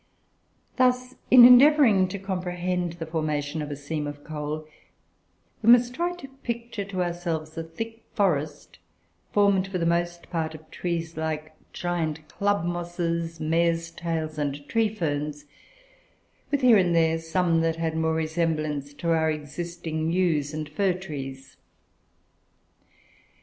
Thus, in endeavouring to comprehend the formation of a seam of coal, we must try to picture to ourselves a thick forest, formed for the most part of trees like gigantic club mosses, mares' tails, and tree ferns, with here and there some that had more resemblance to our existing yews and fir trees.